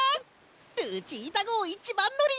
ルチータごういちばんのり！